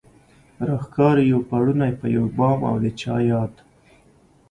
راښکاري يو پړونی په يو بام او د چا ياد